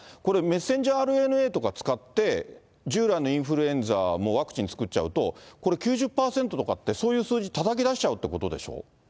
これ、ｍＲＮＡとか使って、従来のインフルエンザもワクチン作っちゃうと、これ、９０％とかって、そういう数字たたき出しちゃうってことでしょ？